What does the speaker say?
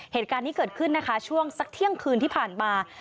เหตุการณ์นี้เกิดขึ้นนะคะช่วงสักเที่ยงคืนที่ผ่านมา